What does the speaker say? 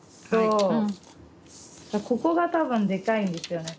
ここが多分でかいんですよね。